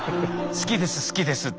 「好きです好きです」。